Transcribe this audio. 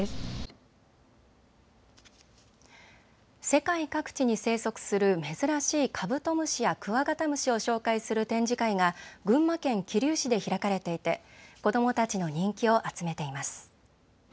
世界各地に生息する珍しいカブトムシやクワガタムシを紹介する展示会が群馬県桐生市で開かれていて子どもたちの人気を集めています。